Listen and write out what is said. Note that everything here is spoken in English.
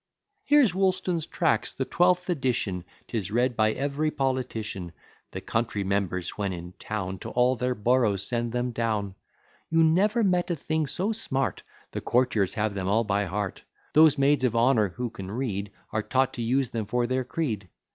"Here's Woolston's tracts, the twelfth edition; 'Tis read by every politician: The country members, when in town, To all their boroughs send them down; You never met a thing so smart; The courtiers have them all by heart: Those maids of honour (who can read), Are taught to use them for their creed.